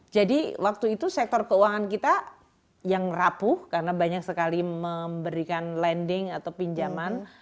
jadi waktu itu sektor keuangan kita yang rapuh karena banyak sekali memberikan lending atau pinjaman